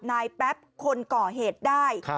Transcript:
แป๊บคนก่อเหตุได้